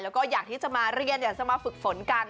แล้วก็อยากที่จะมาเรียนอยากจะมาฝึกฝนกัน